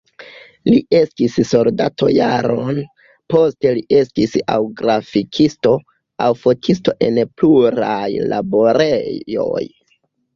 Li estis soldato jaron, poste li estis aŭ grafikisto, aŭ fotisto en pluraj laborejoj.